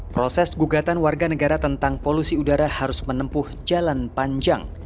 proses gugatan warga negara tentang polusi udara harus menempuh jalan panjang